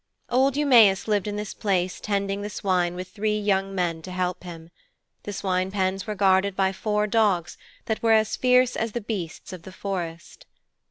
Old Eumæus lived in this place tending the swine with three young men to help him. The swine pens were guarded by four dogs that were as fierce as the beasts of the forest.